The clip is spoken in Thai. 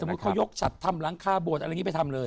ให้สมมุติเขายกฉัดทำล้างค่าบวชไปทำเลย